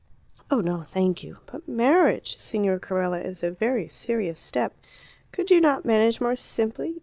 "Oh, no, thank you! But marriage, Signor Carella, is a very serious step. Could you not manage more simply?